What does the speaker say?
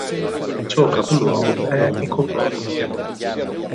Il suo capoluogo è Nikopol'.